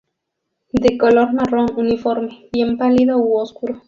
De color marrón uniforme, bien pálido u oscuro.